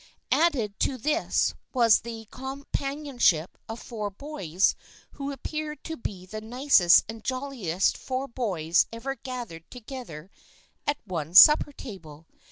Added to this was the com panionship of four boys who appeared to be the nicest and j oiliest four boys ever gathered together at one supper table.